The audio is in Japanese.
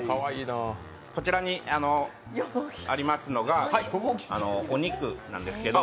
こちらにありますのが、お肉なんですけど